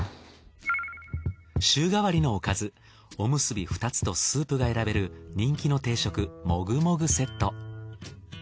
週替わりのおかずおむすび２つとスープが選べる人気の定食